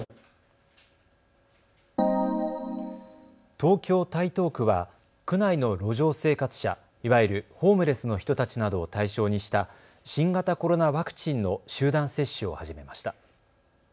東京台東区は区内の路上生活者、いわゆるホームレスの人たちなどを対象にした新型コロナワクチンの集団接種を始めました。